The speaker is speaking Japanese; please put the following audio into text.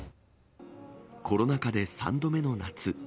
コロナ禍で３度目の夏。